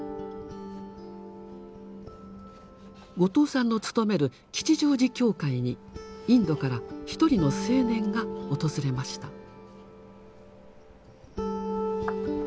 後藤さんのつとめる吉祥寺教会にインドからひとりの青年が訪れました。